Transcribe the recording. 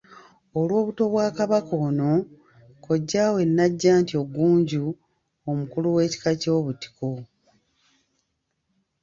Olw'obuto bwa Kabaka ono, kojjaawe Najjantyo Ggunju, omukulu w'ekika ky'obutiko.